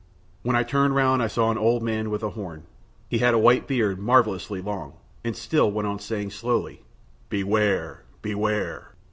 When I turned round I saw an old man with a horn. He had a white beard marvellously long, and still went on saying slowly, "Beware, beware."